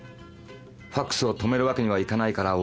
ファクスを止めるわけにはいかないから音を絞った。